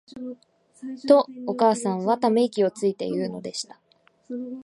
と、お母さんは溜息をついて言うのでした。